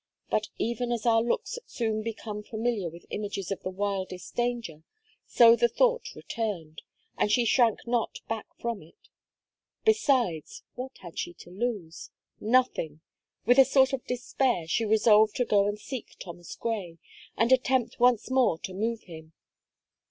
But even as our looks soon become familiar with images of the wildest danger, so the thought returned; and she shrank not back from it. Besides, what had she to lose? Nothing! With a sort of despair, she resolved to go and seek Thomas Gray, and attempt once more to move him.